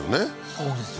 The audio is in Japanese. そうですよね